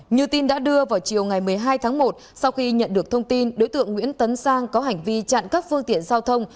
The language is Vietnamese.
như tin đã đưa vào chiều ngày một mươi hai tháng một sau khi nhận được thông tin đối tượng nguyễn tấn sang có hành vi chặn các phương tiện giao thông